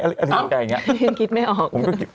อะไรแบบนี้ยังคิดไม่ออก